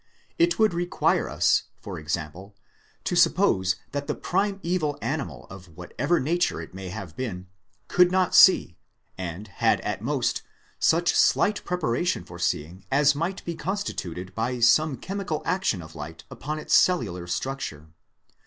It would require us, for example, to suppose that the primaeval animal of whatever nature it may have been, could not see, and had at most such slight preparation for seeing as might be constituted by some chemical action of light upon its cellular structure.